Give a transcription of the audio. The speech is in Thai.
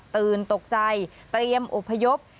ตื่นตกใจเตรียมอพยพ